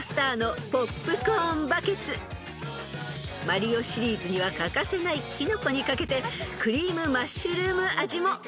［『マリオ』シリーズには欠かせないキノコにかけてクリームマッシュルーム味もあるんです］